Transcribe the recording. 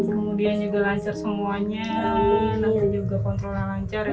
kemudian juga lancar semuanya nanti juga kontrolnya lancar ya